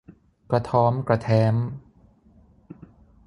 กระท้อมกระแท้ม